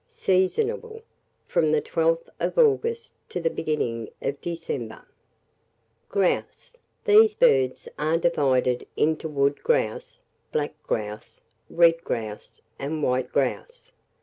Seasonable from the 12th of August to the beginning of December. [Illustration: RED GROUSE.] GROUSE. These birds are divided into wood grouse, black grouse, red grouse, and white grouse.